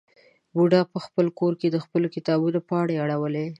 بوډا په خپل کور کې د خپلو کتابونو پاڼې اړولې.